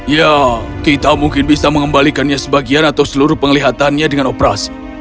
ya kita mungkin bisa mengembalikannya sebagian atau seluruh penglihatannya dengan operasi